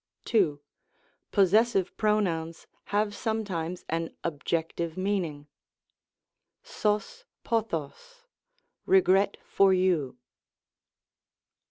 2. Possessive pronouns have sometimes an objective meaning ; cog nodog, " regret for you."